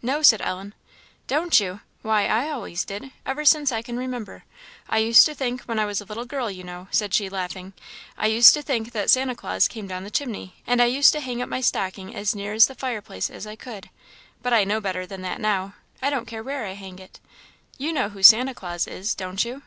"No," said Ellen. "Don't you! why, I always did, ever since I can remember. I used to think, when I was a little girl, you know," said she, laughing "I used to think that Santa Claus came down the chimney, and I used to hang up my stocking as near the fire place as I could; but I know better than that now; I don't care where I hang it. You know who Santa Claus is, don't you?"